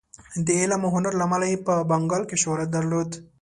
د علم او هنر له امله یې په بنګال کې شهرت درلود.